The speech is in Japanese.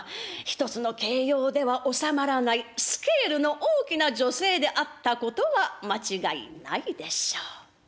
１つの形容では収まらないスケールの大きな女性であったことは間違いないでしょう。